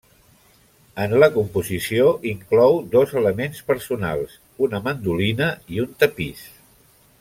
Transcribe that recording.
En la composició inclou dos elements personals: una mandolina i un tapís.